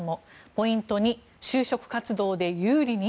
ポイント２就職活動で有利に？